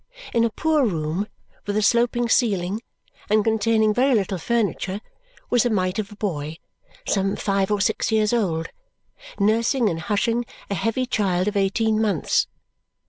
In a poor room with a sloping ceiling and containing very little furniture was a mite of a boy, some five or six years old, nursing and hushing a heavy child of eighteen months.